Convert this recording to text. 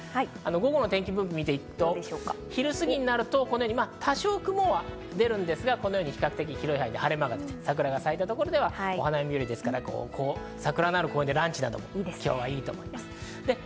午後の天気分布を見ていきますと、昼過ぎ、多少雲は出るんですが、比較的広い範囲で晴れ間が出て、お花見日和ですから、桜のあるところでランチなど、今日はいいと思います。